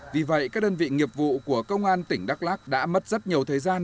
vì vậy các đơn vị nghiệp vụ của công an tỉnh đắk lắc đã mất rất nhiều thời gian